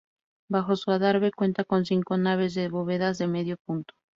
Bajo su adarve cuenta con cinco naves de bóvedas de medio punto.